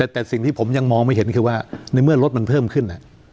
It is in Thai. แต่สิ่งที่ผมยังมองไม่เห็นคือว่าในเมื่อรถมันเพิ่มขึ้น